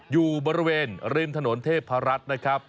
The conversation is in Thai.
อยู่บริเวณริมถนนเทพรัฐนะครับ